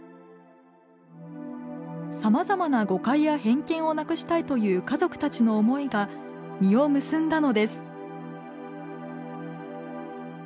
さまざまな誤解や偏見をなくしたいという家族たちの思いが実を結んだのです。